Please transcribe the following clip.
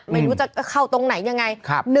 ไม่รู้จะเข้าตรงไหนยังไง